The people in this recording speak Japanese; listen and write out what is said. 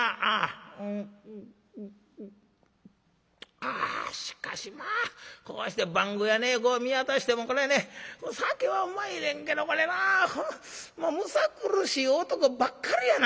「あしかしまあこうして番小屋見渡してもこれね酒はうまいねんけどこれまあむさ苦しい男ばっかりやな